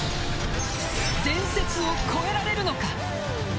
伝説を超えられるのか。